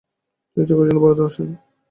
তিনি চাকুরীর জন্য ভারতে আসেন।